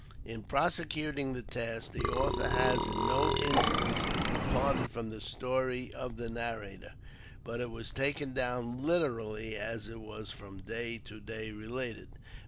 In prosecu ting the task, the author has in no instance departed from the story of the narrator, but it was taken down literally as it was from day to day related.